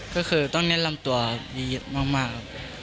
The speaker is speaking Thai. ก็คือต้องเน้นลำตัวดีมากครับ